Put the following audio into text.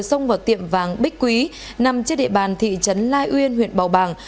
xông vào tiệm vàng bích quý nằm trên địa bàn thị trấn lai uyên huyện bào bàng